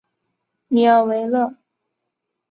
米尔维勒。